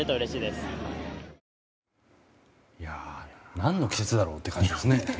何の季節だろうという感じですね。